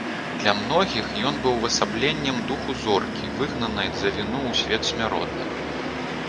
Для многіх ён быў увасабленнем духу зоркі, выгнанай за віну ў свет смяротных.